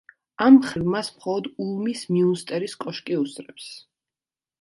ამ მხრივ მას მხოლოდ ულმის მიუნსტერის კოშკი უსწრებს.